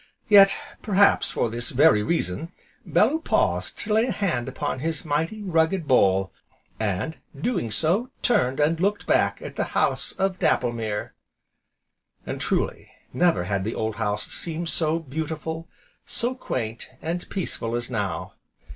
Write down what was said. Yet, perhaps for this very reason, Bellew paused to lay a hand upon his mighty, rugged hole, and, doing so, turned and looked back at the House of Dapplemere. And truly never had the old house seemed so beautiful, so quaint, and peaceful as now.